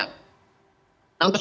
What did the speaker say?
sekarang kemudian dan kemudian